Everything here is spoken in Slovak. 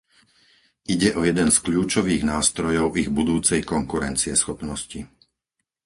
Ide o jeden z kľúčových nástrojov ich budúcej konkurencieschopnosti.